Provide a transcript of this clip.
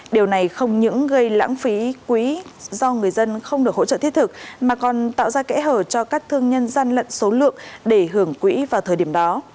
điều này không những gây lãng phí quỹ do người dân không được hỗ trợ thiết thực mà còn tạo ra kẽ hở cho các thương nhân gian lận số lượng để hưởng quỹ vào thời điểm đó